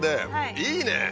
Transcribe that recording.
いいね。